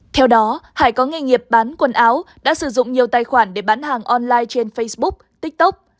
theo đó hải có nghề nghiệp bán quần áo đã sử dụng nhiều tài khoản để bán hàng online trên facebook tiktok